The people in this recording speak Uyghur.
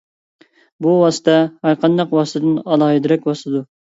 بۇ ۋاسىتە ھەرقانداق ۋاسىتىدىن ئالاھىدىرەك ۋاسىتىدۇر.